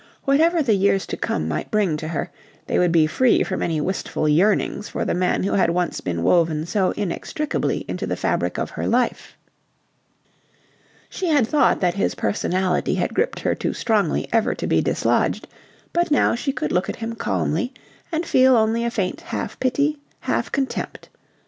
Whatever the years to come might bring to her, they would be free from any wistful yearnings for the man who had once been woven so inextricably into the fabric of her life. She had thought that his personality had gripped her too strongly ever to be dislodged, but now she could look at him calmly and feel only a faint half pity, half contempt.